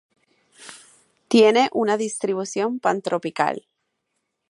Tiene una distribución Pantropical.